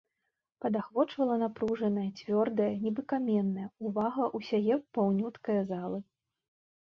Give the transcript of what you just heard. Падахвочвала напружаная, цвёрдая, нібы каменная, увага ўсяе паўнюткае залы.